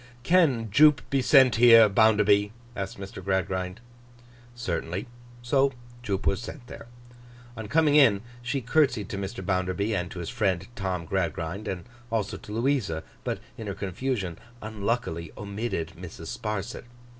'Can Jupe be sent here, Bounderby?' asked Mr. Gradgrind. Certainly. So Jupe was sent there. On coming in, she curtseyed to Mr. Bounderby, and to his friend Tom Gradgrind, and also to Louisa; but in her confusion unluckily omitted Mrs. Sparsit.